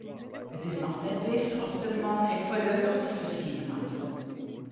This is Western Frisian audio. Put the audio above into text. It is noch net wis oft de man ek foar de rjochter ferskine moat.